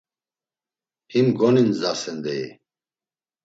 Him goninzdasen deyi…